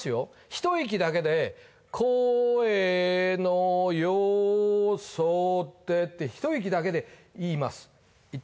一息だけで「こーえーのーよーそって」って一息だけで言います